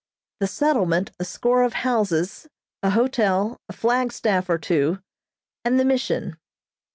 The settlement, a score of houses, a hotel, a flagstaff or two, and the Mission.